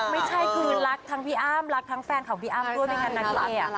ไม่ใช่คือรักทั้งพี่อ้ำรักทั้งแฟนของพี่อ้ำด้วยไม่งั้นนางเอ